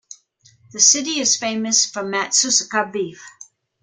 The city is famous for Matsusaka beef.